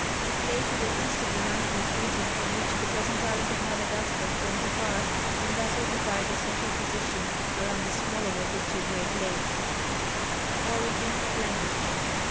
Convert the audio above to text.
It lay to the east of the mountainous region of which the present Island of Madagascar formed a part, and thus occupied a central position around the smaller of the two great lakes. [Sidenote: Origin of Language.